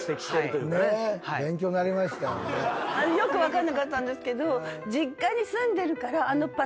よく分かんなかったんですが。